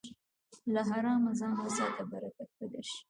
له حرامه ځان وساته، برکت به درشي.